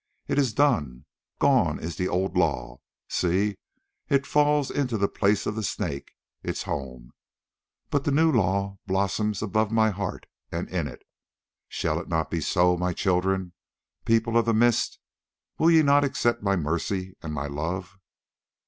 It is done, gone is the old law; see, it falls into the place of the Snake, its home; but the new law blossoms above my heart and in it. Shall it not be so, my children, People of the Mist? Will ye not accept my mercy and my love?"